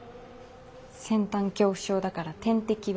先端恐怖症だから点滴は嫌。